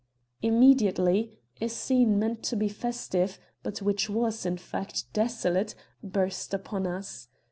Immediately a scene meant to be festive, but which was, in fact, desolate, burst upon us.